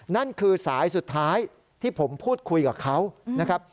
นั่นคือสายสุดท้ายที่ผมพูดคุยกับเขานะครับ